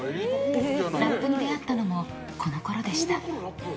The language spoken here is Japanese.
ラップに出会ったのもこのころでした。